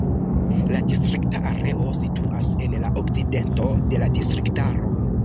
La distrikta areo situas en la okcidento de la distriktaro.